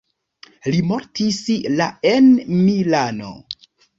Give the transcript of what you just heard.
Li mortis la en Milano.